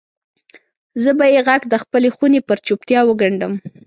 زه به یې ږغ دخپلې خونې پر چوپتیا وګنډم